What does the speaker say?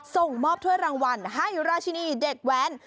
ส่งมอบถ้วยรางวัลให้ราชินีเด็กแว้น